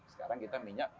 sekarang kita minyak